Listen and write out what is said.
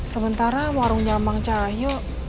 sementara warungnya mang cahyo